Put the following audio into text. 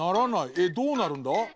えっどうなるんだ？